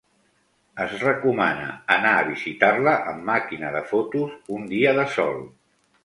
Es recomana anar a visitar-la amb màquina de fotos un dia de sol.